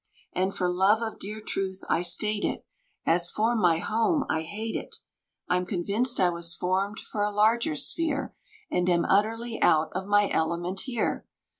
And, for love of dear truth I state it, As for my Home I hate it! I'm convinced I was formed for a larger sphere, And am utterly out of my element here."